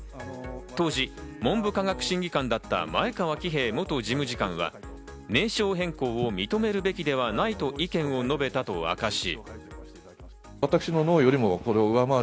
当時、文部科学審議官だった前川喜平元事務次官は、名称変更を認めるべきではないと意見を述べたと明かし。